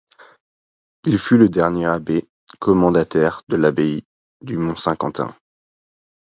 Il fut le dernier abbé commendataire de l'abbaye du Mont Saint-Quentin.